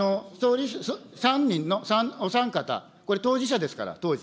３人の、お三方、これ、当事者ですから、当時。